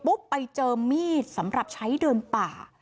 ไปเจอมีดสำหรับใช้เดินป่า